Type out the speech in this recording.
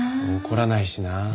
怒らないしなあ。